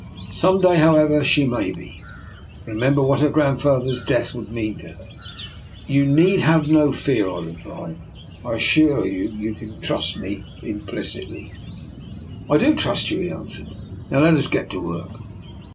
Some day, however, she may be. Remember what her grandfather's death would mean to her." " You need have no fear," I replied. " I assure you, you can trust me implicitly." DR. NIKOLA'S EXPERIMENT. 187 " I do trust you," he answered. " Now let us get to work."